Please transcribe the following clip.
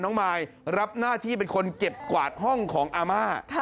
มายรับหน้าที่เป็นคนเก็บกวาดห้องของอาม่า